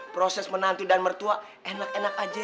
proses menantu dan mertua enak enak aja